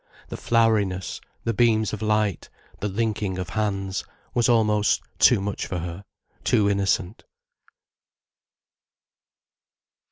The floweriness, the beams of light, the linking of hands, was almost too much for her, too innocent.